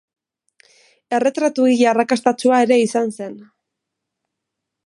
Erretratugile arrakastatsua ere izan zen.